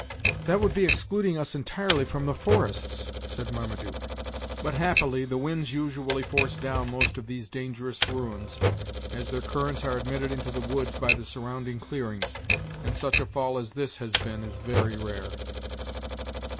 "That would be excluding us entirely from the forests," said Marmaduke. "But, happily, the winds usually force down most of these dangerous ruins, as their currents are admitted into the woods by the surrounding clearings, and such a fall as this has been is very rare."